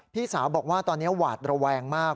พี่สาวบอกว่าตอนนี้หวาดระแวงมาก